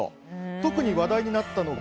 特に話題になったのが。